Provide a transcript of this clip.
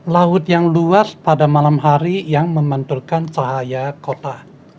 laut yang luas pada malam hari yang memantulkan cahaya kota